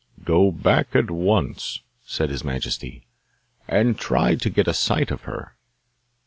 'Go back at once,' said his majesty, 'and try to get a sight of her.